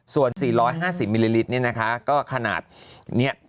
ส่วน๔๕๐มิลลิลิตรเนี่ยนะคะก็ขนาดนี้